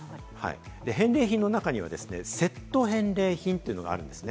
返礼品の中にはセット返礼品というのがあるんです。